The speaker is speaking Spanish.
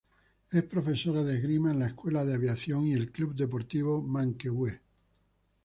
Es profesora de esgrima en la Escuela de aviación y el Club Deportivo Manquehue.